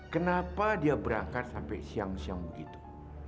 kenapa dia berangkat sampai siang siang begitu